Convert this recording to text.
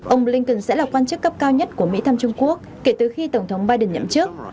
ông blinken sẽ là quan chức cấp cao nhất của mỹ thăm trung quốc kể từ khi tổng thống biden nhậm chức